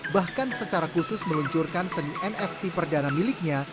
bahkan secara khusus meluncurkan seni nft perdana miliknya